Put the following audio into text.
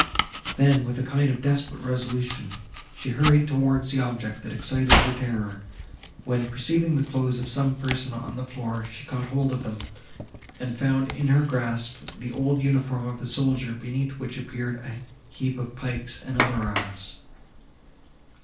Then, with a kind of desperate resolution, she hurried towards the object that excited her terror, when, perceiving the clothes of some person, on the floor, she caught hold of them, and found in her grasp the old uniform of a soldier, beneath which appeared a heap of pikes and other arms.